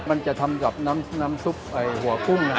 มันจะทำกับน้ำซุปหัวกุ้ง